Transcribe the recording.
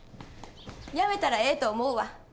やめたらええと思うわ。